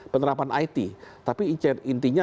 penerapan it tapi intinya